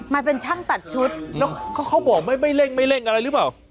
มาเป็นช่างตัดชุดค้าวเขาบอกว่าไม่เร่งอะไรรึเปล่า